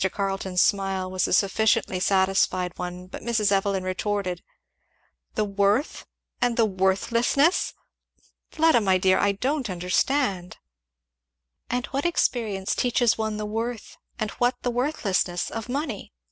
Carleton's smile was a sufficiently satisfied one; but Mrs. Evelyn retorted, "The worth and the worthlessness! Fleda my dear, I don't understand " "And what experience teaches one the worth and what the worthlessness of money?"